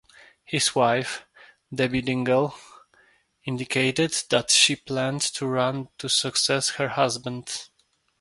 His wife, Debbie Dingell, indicated that she planned to run to succeed her husband.